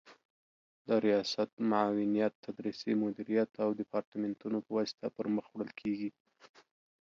د ریاست، معاونیت، تدریسي مدیریت او دیپارتمنتونو په واسطه پر مخ وړل کیږي